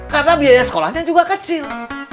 karena biaya sekolahnya juga kecil